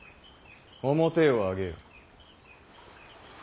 面を上げよ。